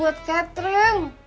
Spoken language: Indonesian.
itu buat catering